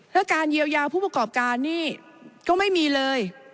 แล้วการเยียวยาผู้ประกอบการนี่ก็ไม่มีเลย